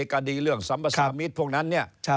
คดีเรื่องสัมภาษามิตรพวกนั้นเนี่ย